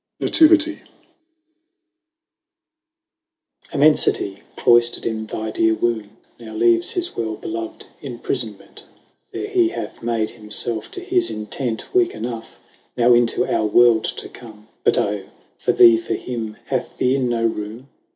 . NATIVITIE. 3. Immenfitie cloyjlerd in thy deare wombe ', Now leaves his welbelov'd imprifonment, There he hath made himfelfe to his intent Weake enough, now into our world to come ; But Oh, for thee, for him, hath th'Inne no roome?